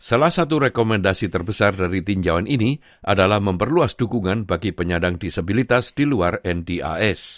salah satu rekomendasi terbesar dari tinjauan ini adalah memperluas dukungan bagi penyandang disabilitas di luar ndis